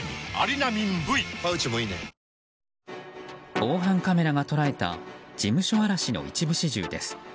防犯カメラが捉えた事務所荒らしの一部始終です。